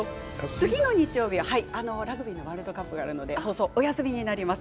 次の日曜日はラグビーワールドカップがあるので放送はお休みです。